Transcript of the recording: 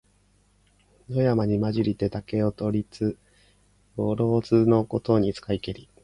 野山にまじりて竹を取りつ、よろづのことに使いけり。